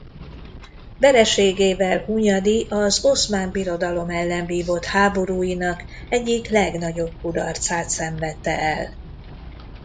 Vereségével Hunyadi az Oszmán Birodalom ellen vívott háborúinak egyik legnagyobb kudarcát szenvedte el.